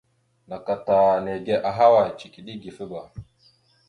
Naka ta nège ahaway? Cikiɗe igefaba.